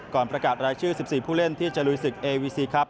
ประกาศรายชื่อ๑๔ผู้เล่นที่จะลุยศึกเอวีซีครับ